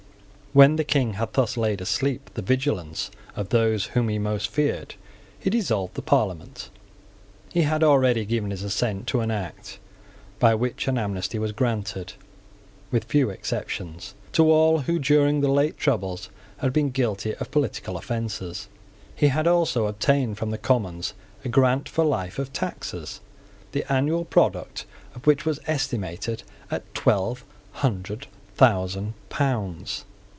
When the King had thus laid asleep the vigilance of those whom he most feared, he dissolved the Parliament. He had already given his assent to an act by which an amnesty was granted, with few exceptions, to all who, during the late troubles, had been guilty of political offences. He had also obtained from the Commons a grant for life of taxes, the annual product of which was estimated at twelve hundred thousand pounds.